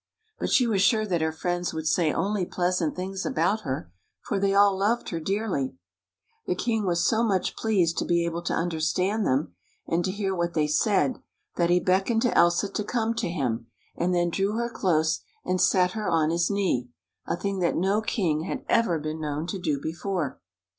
But she was sure that her friends would say only pleasant things about her, for they all loved her dearly. The t king was so much pleased to be able to understand them, and to hear what they said, that he beckoned to Elsa to come to him, and then drew her close and set her on his knee — a thing that no king had ever been known to do before.